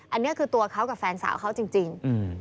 อันนี้คือตัวเขากับแฟนสาวเขาจริง